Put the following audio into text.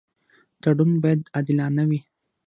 تړون باید عادلانه وي.